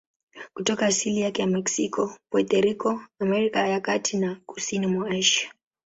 Kutoka asili yake ya Meksiko, Puerto Rico, Amerika ya Kati na kusini mwa Asia.